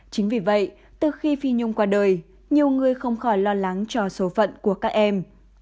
chính vì vậy từ khi phi nhung qua đời nhiều người không khỏi lo lắng cho số phận của các em